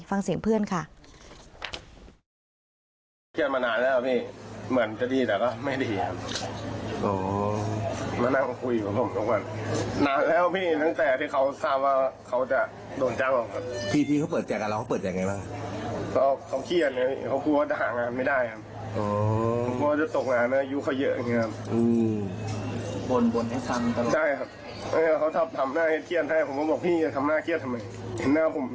ฟังเสียงเพื่อนค่ะ